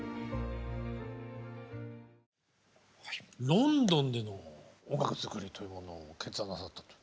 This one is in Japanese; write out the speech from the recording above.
ロンドンでの音楽作りというものを決断なさったと。